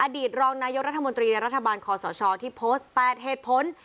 ตรองนายกรัฐมนตรีและรัฐบาลคอสชที่โพสต์๘เหตุผล